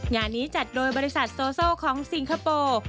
งานนี้จัดโดยบริษัทโซของสิงคโปร์